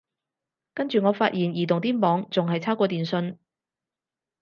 跟住我發現移動啲網仲係差過電信